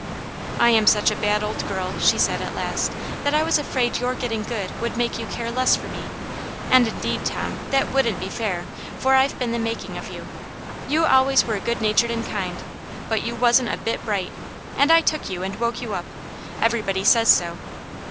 I am such a bad old girl," she said, at last, " that I was afraid your getting good would make you care less for me. And indeed, Tom, that wouldn't be fair, for I've been the making of you. You always were good natured and kind ; but you wasn't a bit bright, and I took you and woke you up. Everybody says so.